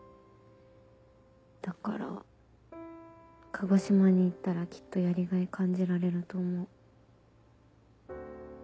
だから鹿児島に行ったらきっとやりがい感じられると思う。